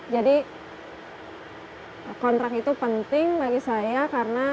jadi kontrak itu penting bagi saya karena